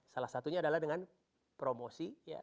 salah satunya adalah dengan promosi